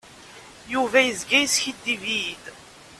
Yuba yezga yeskiddib-iyi-d.